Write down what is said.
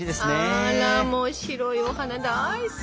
あらもう白いお花大好き！